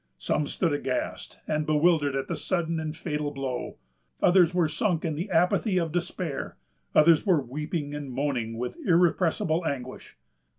Some stood aghast and bewildered at the sudden and fatal blow; others were sunk in the apathy of despair; others were weeping and moaning with irrepressible anguish.